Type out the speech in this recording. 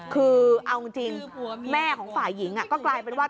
คือเอาจริงแม่ของฝ่ายหญิงก็กลายเป็นว่า